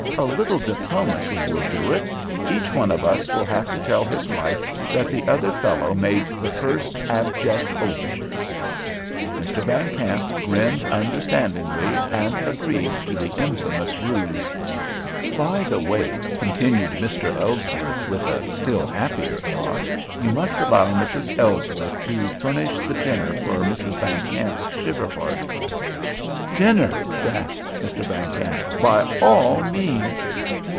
"A little diplomacy will do it. Each one of us will have to tell his wife that the other fellow made the first abject overtures." Mr. Van Kamp grinned understandingly, and agreed to the infamous ruse. "By the way," continued Mr. Ellsworth, with a still happier thought, "you must allow Mrs. Ellsworth to furnish the dinner for Mrs. Van Kamp's shiver party." "Dinner!" gasped Mr. Van Kamp. "By all means!"